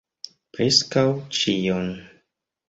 Preskaŭ ĉion.